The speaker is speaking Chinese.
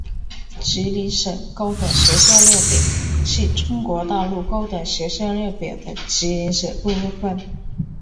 吉林省高等学校列表是中国大陆高等学校列表的吉林省部分。